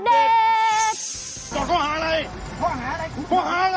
เขาหาอะไรเขาหาอะไร